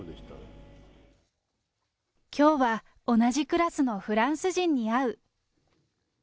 きょうは同じクラスのフランス人に会う。